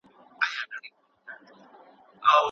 مصنوعي غوښه هم کمه وخورئ.